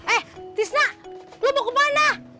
eh tisna lo mau kemana